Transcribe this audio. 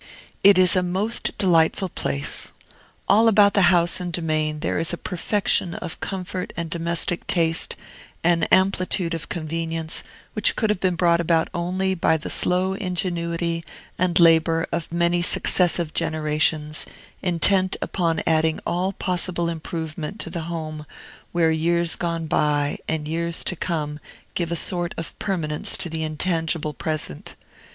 It is a most delightful place. All about the house and domain there is a perfection of comfort and domestic taste, an amplitude of convenience, which could have been brought about only by the slow ingenuity and labor of many successive generations, intent upon adding all possible improvement to the home where years gone by and years to come give a sort of permanence to the intangible present.